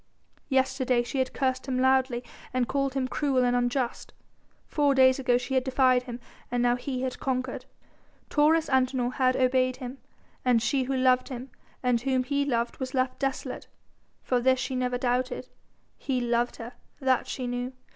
Yesterday she had cursed him loudly and called him cruel and unjust, four days ago she had defied him and now he had conquered. Taurus Antinor had obeyed him and she who loved him and whom he loved was left desolate. For this she never doubted: he loved her, that she knew.